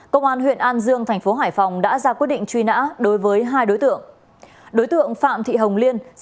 công an huyện an dương tp hải phòng đã ra quyết định truy nã đối với hai đối tượng